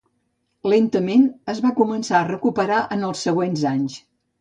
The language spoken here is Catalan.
Lentament, es va començar a recuperar en els següents anys.